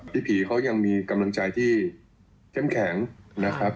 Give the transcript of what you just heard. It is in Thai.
พี่ผีเขายังมีกำลังใจที่เข้มแข็งนะครับ